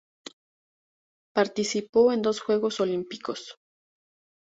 Participó en dos Juegos Olimpicos.